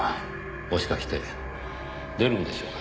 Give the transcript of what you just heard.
もしかして出るんでしょうかね